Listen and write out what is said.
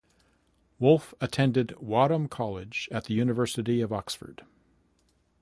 Wolfe attended Wadham College at the University of Oxford.